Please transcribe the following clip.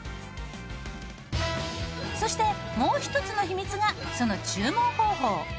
そしてもう一つの秘密がその注文方法。